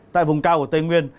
tại vùng cao của tây nguyên